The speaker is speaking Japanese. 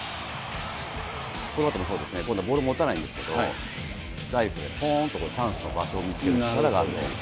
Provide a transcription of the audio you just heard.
このあともそうですね、今度はボール持たないんですけど、ダイレクトでぽーんとチャンスの場所を見つける力があると。